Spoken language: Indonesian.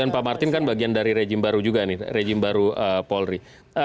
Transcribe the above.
dan pak martin kan bagian dari rejim baru juga nih rejim baru polri